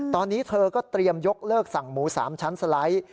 ตอนนี้เธอก็เตรียมยกเลิกสั่งหมู๓ชั้นสไลด์